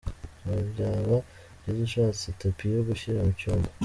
Byaba byiza ushatse itapi yo gushyira mu cyumba .